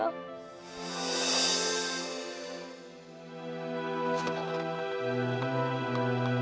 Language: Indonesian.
aku sudah mencintai kamila